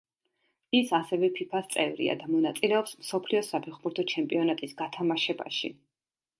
ის ასევე ფიფას წევრია და მონაწილეობს მსოფლიო საფეხბურთო ჩემპიონატის გათამაშებაში.